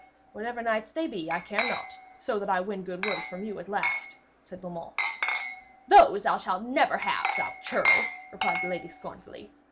'Whatever knights they be, I care not, so that I win good words from you at last,' said Beaumains. 'Those thou shalt never have, thou churl,' replied the lady scornfully.